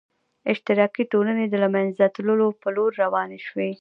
اشتراکي ټولنې د له منځه تلو په لور روانې شوې.